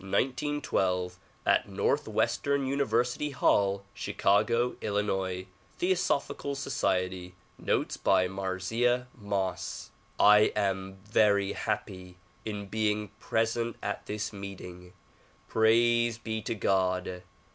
XII May 4, 1912, at Northwestern University Hall, Chicago, III. Theosophical Society. Notes by Marzieh Moss I AM very happy in being present at this meeting. Praise be to God